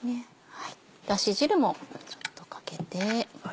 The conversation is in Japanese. だし汁もちょっとかけて。